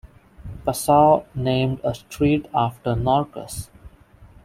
Passau named a street after Norkus.